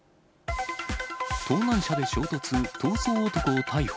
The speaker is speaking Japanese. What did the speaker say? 盗難車で衝突、逃走男を逮捕。